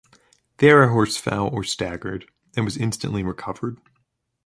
There a horse fell or staggered, and was instantly recovered.